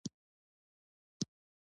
د ځوانۍ د جوش لپاره د مخ پاکوالی وساتئ